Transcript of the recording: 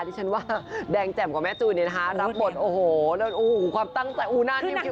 ที่ฉันว่าแดงแจ่มกว่าแม่จุ๋ยนี่นะคะรับบทโอ้โหแล้วความตั้งใจโอ้โหหน้าเย็บเย็บ